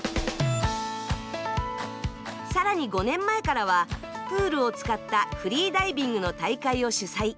さらに５年前からは、プールを使ったフリーダイビングの大会を主催。